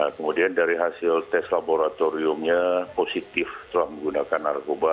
kemudian dari hasil tes laboratoriumnya positif telah menggunakan narkoba